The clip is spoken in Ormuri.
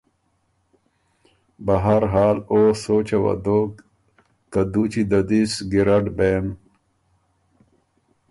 بهر حال او سوچه وه دوک که دُوچی د دی سو ګیرډ بېن